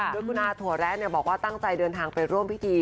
โดยคุณอาถั่วแระบอกว่าตั้งใจเดินทางไปร่วมพิธี